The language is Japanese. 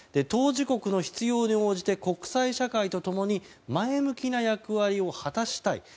当事国の必要に応じて国際社会と共に前向きな役割を果たしたい。